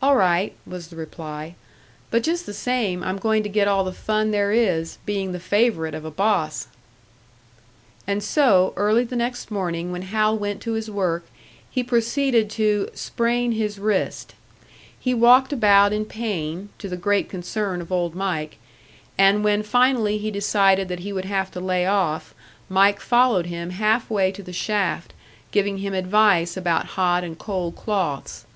"All right," was the reply. "But just the same, I'm going to get all the fun there is, being the favourite of a boss!" And so, early the next morning when Hal went to his work he proceeded to "sprain his wrist." He walked about in pain, to the great concern of Old Mike; and when finally he decided that he would have to lay off, Mike followed him half way to the shaft, giving him advice about hot and cold cloths.